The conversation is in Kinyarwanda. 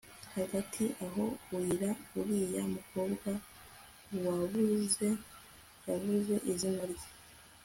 Hagati aho arira uriya mukobwa wabuze yavuze izina rye